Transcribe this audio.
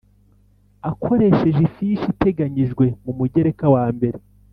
akoresheje ifishi iteganyijwe ku Mugereka wa mbere.